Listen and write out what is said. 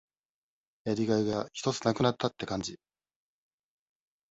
やりがいがひとつ無くなったって感じ。